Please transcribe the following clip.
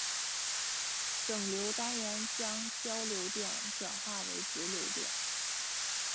整流单元将交流电转化为直流电。